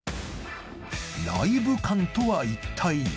ライブ感とは一体！？